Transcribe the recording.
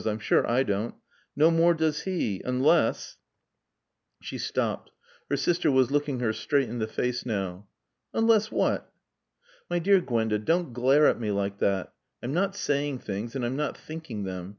I'm sure I don't. No more does he. Unless " She stopped. Her sister was looking her straight in the face now. "Unless what?" "My dear Gwenda, don't glare at me like that. I'm not saying things and I'm not thinking them.